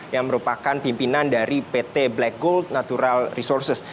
yang merupakan pimpinan dari pt black gold natural resources